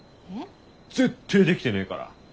えっ？絶対できてねえから！